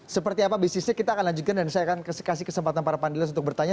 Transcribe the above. seperti apa bisnisnya kita akan lanjutkan dan saya akan kasih kesempatan para panelis untuk bertanya